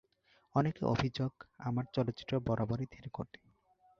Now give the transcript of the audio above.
অনেকের অভিযোগ, আমার চলচ্চিত্র বরাবরই ধীরগতির।